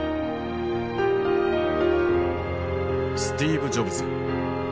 スティーブ・ジョブズ。